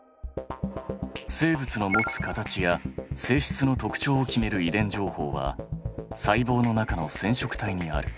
生物の持つ形や性質の特徴を決める遺伝情報は細胞の中の染色体にある。